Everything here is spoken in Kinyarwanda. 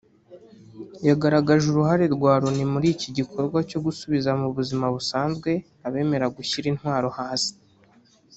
yagaragaje uruhare rwa Loni muri iki gikorwa cyo gusubiza mu buzima busanzwe abemera gushyira intwaro hasi